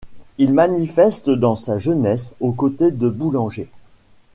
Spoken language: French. Il manifeste dans sa jeunesse aux côtés de Boulanger.